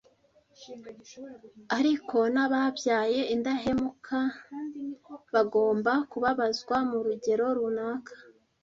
Ariko n’ababaye indahemuka bagomba kubabazwa mu rugero runaka